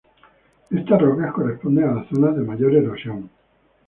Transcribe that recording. Estas rocas corresponden a las zonas de mayor erosión.